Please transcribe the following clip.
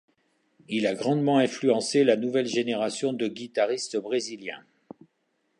Il a grandement influencé la nouvelle génération de guitaristes brésiliens.